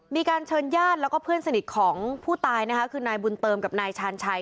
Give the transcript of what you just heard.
มีการเชิญญาติแล้วก็เพื่อนสนิทของผู้ตายนะคะคือนายบุญเติมกับนายชาญชัย